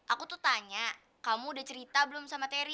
aku tuh tanya kamu udah cerita belum sama terry